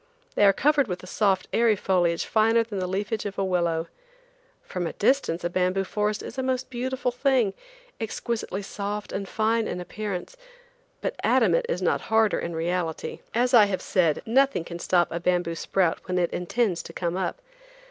They are covered with a soft airy foliage finer than the leafage of a willow. From a distance a bamboo forest is a most beautiful thing, exquisitely soft and fine in appearance, but adamant is not harder in reality. As I have said, nothing can stop a bamboo sprout when it intends to come up.